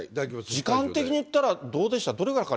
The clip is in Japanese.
時間的にいったら、どうでした？